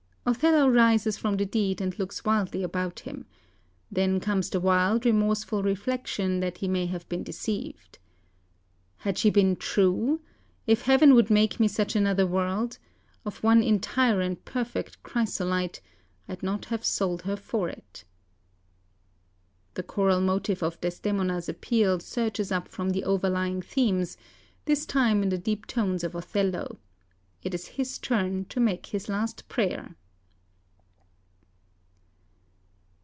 "Othello rises from the deed, and looks wildly about him. Then comes the wild, remorseful reflection that he may have been deceived. "'... Had she been true, If heaven would make me such another world, Of one entire and perfect chrysolite, I'd not have sold her for it.' "The choral motif of Desdemona's appeal surges up from the overlying themes, this time in the deep tones of Othello. It is his turn to make his last prayer."